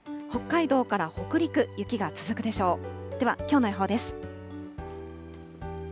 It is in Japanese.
北海道から北陸、雪が続くでしょう。